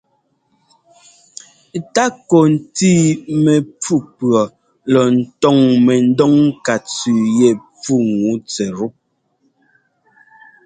Takɔ ntíi mɛfú pʉɔ lɔ ńtɔ́ŋ mɛdɔŋ ŋká tsʉʉ yɛ pfúŋu tsɛttu.